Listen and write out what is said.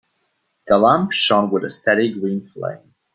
The lamp shone with a steady green flame.